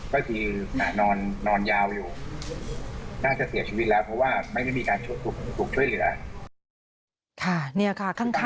ก็คือนอนยาวอยู่น่าจะเสียชีวิตแล้วเพราะว่าไม่ได้มีการถูกช่วยเหลือ